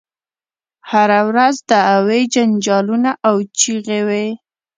هره ورځ دعوې جنجالونه او چیغې وي.